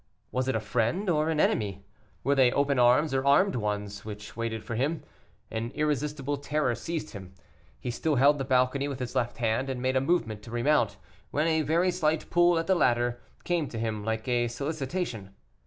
Was it a friend or an enemy? Were they open arms or armed ones which waited for him? An irresistible terror seized him; he still held the balcony with his left hand, and made a movement to remount, when a very slight pull at the ladder came to him like a solicitation.